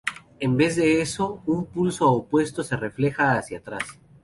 En vez de eso, un pulso opuesto se refleja hacia atrás.